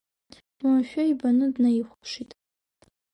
Уамашәа ибаны днаихәаԥшит.